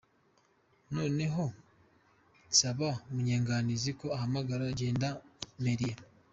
Noneho nsaba Munyanganizi ko ahamagara gendarmerie.